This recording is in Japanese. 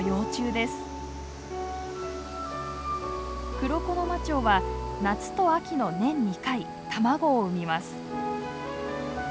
クロコノマチョウは夏と秋の年２回卵を産みます。